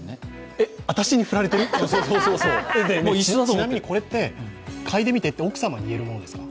ちなみにこれってかいでみてって、奥さまに言えるものですか？